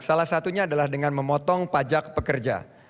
salah satunya adalah dengan memotong pajak pekerja